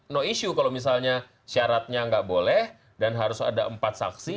no issue kalau misalnya syaratnya nggak boleh dan harus ada empat saksi